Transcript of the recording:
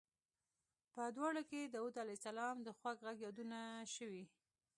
په دواړو کې د داود علیه السلام د خوږ غږ یادونه شوې.